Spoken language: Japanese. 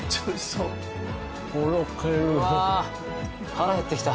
腹減ってきた。